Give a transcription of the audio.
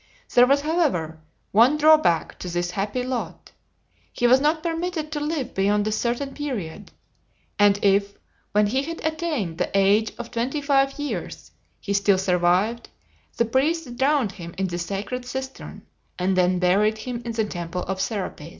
There was, however, one drawback to his happy lot: he was not permitted to live beyond a certain period, and if, when he had attained the age of twenty five years, he still survived, the priests drowned him in the sacred cistern and then buried him in the temple of Serapis.